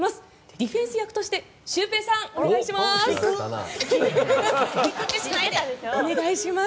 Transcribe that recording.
ディフェンス役としてシュウペイさん、お願いします。